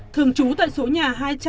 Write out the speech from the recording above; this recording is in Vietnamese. thường trú tại số nhà hai trăm tám mươi một